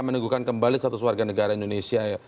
meneguhkan kembali satu suarga negara indonesia